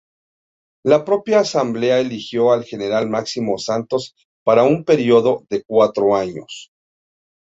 La propia Asamblea eligió al general Máximo Santos para un período de cuatro años.